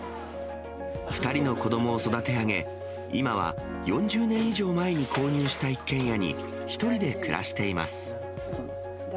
２人の子どもを育て上げ、今は４０年以上前に購入した一軒家に、１人で暮らしています。